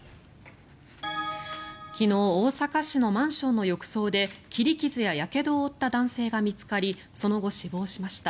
昨日大阪市のマンションの浴槽で切り傷ややけどを負った男性が見つかりその後、死亡しました。